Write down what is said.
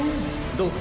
どうぞ。